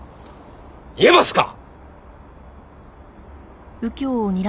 言えますか！？